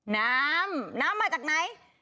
น้ำน้ำมาจากไหน